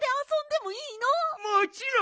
もちろん！